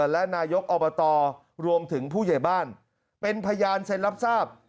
และนายกอบตรวมถึงผู้ใหญ่บ้านเป็นพยานเซ็นรับทราบ